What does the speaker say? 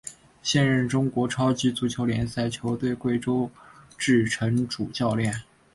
现担任中国超级足球联赛球队贵州智诚主教练。